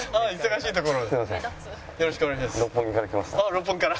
六本木から。